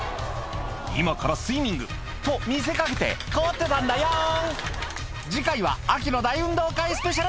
今からスイミングと見せかけて凍ってたんだよん